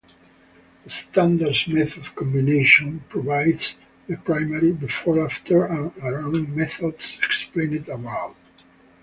The "Standard Method-Combination" provides the primary, before, after and around methods explained above.